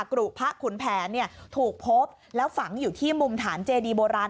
กรุพระขุนแผนถูกพบแล้วฝังอยู่ที่มุมฐานเจดีโบราณ